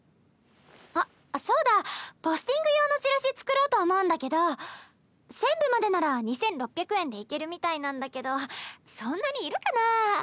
あっそうだポスティング用のチラシ作ろうと思うんだけど１０００部までなら２６００円でいけるみたいなんだけどそんなにいるかなぁ？